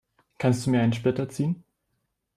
Kannst du mir einen Splitter ziehen?